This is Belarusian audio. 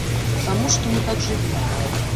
Таму што мы так жывём.